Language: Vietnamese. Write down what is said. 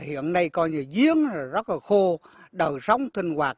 hiện nay coi như giếng rất là khô đầu sống thình hoạt